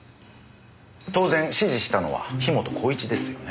当然指示したのは樋本晃一ですよね？